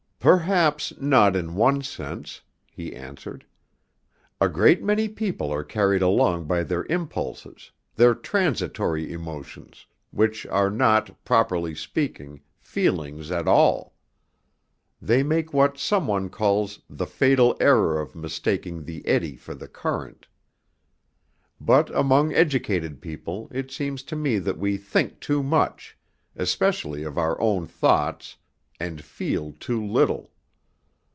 "Perhaps not in one sense," he answered. "A great many people are carried along by their impulses, their transitory emotions, which are not, properly speaking, feelings at all. They make what some one calls the 'fatal error of mistaking the eddy for the current.' But among educated people it seems to me that we think too much, especially of our own thoughts, and feel too little.